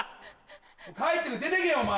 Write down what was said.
帰ってくれ出てけお前！